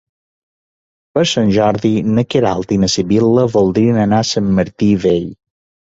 Per Sant Jordi na Queralt i na Sibil·la voldrien anar a Sant Martí Vell.